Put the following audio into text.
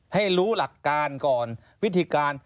ให้รู้หลักการก่อนวิธีการ